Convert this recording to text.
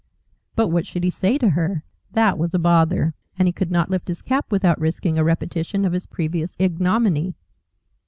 But what should he say to her? That was a bother. And he could not lift his cap without risking a repetition of his previous ignominy.